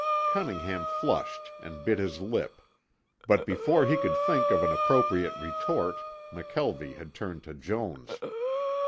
Cunningham flushed and bit his lip, but before he could think of an appropriate retort, McKelvie had turned to Jones.